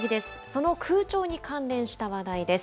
その空調に関連した話題です。